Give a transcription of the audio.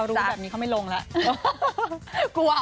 เค้ารู้แบบนี้เค้าไม่ลงแล้ว